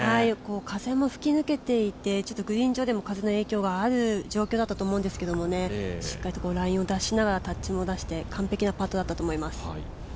風も吹き抜けていてグリーン上でも風の影響がある状況だったと思うんですがしっかりとラインを出しながらタッチも出して、完璧なパットだったと思います。